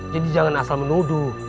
jadi jangan asal menuduh